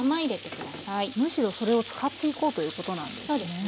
むしろそれを使っていこうということなんですね。